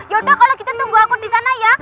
yaudah kalau kita tunggu aku di sana ya